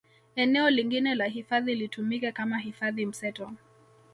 Eneo lingine la hifadhi litumike kama hifadhi mseto